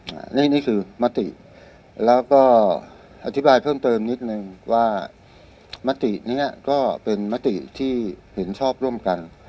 และนี่คือมติแล้วก็อธิบายเพิ่มเติมนิดนึงว่ามตินี้ก็เป็นมติที่เห็นชอบร่วมกัน